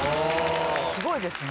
すごいですね。